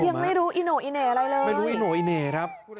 ยังไม่รู้อิโนะอิเนะอะไรเลยไม่รู้อิโนะอิเนะครับ